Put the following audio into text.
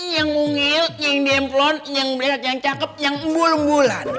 yang mungil yang demplon yang melihat yang cakep yang mbul mbulan